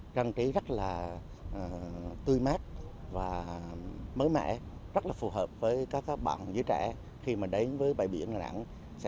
trang trí rất là tươi mát và mới mẻ rất là phù hợp với các bạn giới trẻ khi mà đến với bãi biển đà nẵng